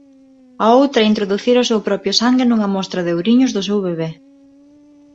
A outra introducira o seu propio sangue nunha mostra de ouriños do seu bebé.